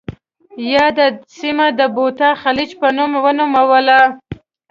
یاده سیمه د بوتا خلیج په نوم ونوموله.